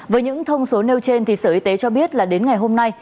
với những thông số nêu trên sở y tế cho biết là đến ngày hôm nay